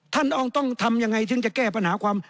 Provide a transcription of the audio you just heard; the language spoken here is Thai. ท่านต้องทำยังไงถึงจะแก้ปัญหาความ